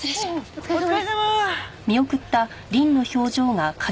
お疲れさま。